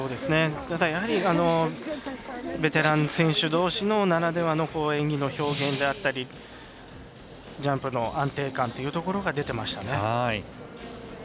やはりベテラン選手どうしならではの演技の表現であったりジャンプの安定感というところが出てましたね。